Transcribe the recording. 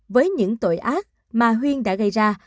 với những tội ác mà huyên đã gây ra